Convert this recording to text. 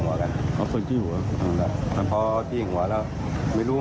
แต่เห็นว่ามีเสียงร้องวิดวาย